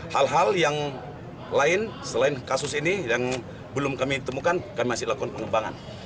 hal hal yang lain selain kasus ini yang belum kami temukan kami masih lakukan pengembangan